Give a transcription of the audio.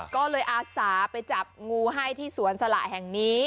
ก็เลยอาสาไปจับงูให้ที่สวนสละแห่งนี้